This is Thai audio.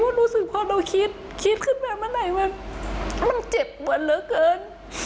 ว่ารู้สึกพอเราคิดคิดขึ้นมาบ้างไหนมันมันเจ็บปวดแล้วเกิน